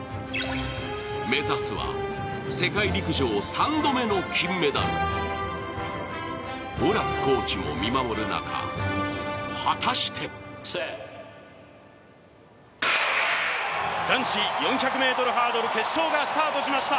目指すは世界陸上３度目の金メダルオラフコーチも見守る中果たして男子４００ｍハードル決勝がスタートしました。